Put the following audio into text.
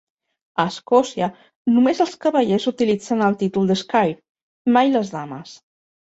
A Escòcia, només els cavallers utilitzen el títol d'Esquire, mai les dames.